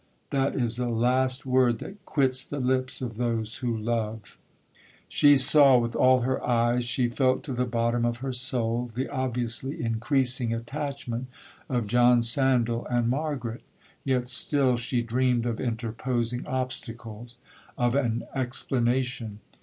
That is the last word that quits the lips of those who love. 'She saw with all her eyes,—she felt to the bottom of her soul,—the obviously increasing attachment of John Sandal and Margaret; yet still she dreamed of interposing obstacles,—of an explanation.